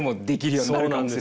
そうなんです。